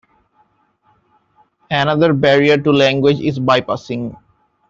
Another barrier to language is bypassing.